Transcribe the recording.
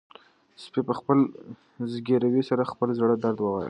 سپي په خپل زګیروي سره د خپل زړه درد ووايه.